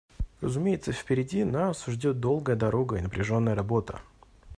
Разумеется, впереди нас ждет долгая дорога и напряженная работа.